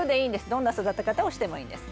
どんな育て方をしてもいいんです。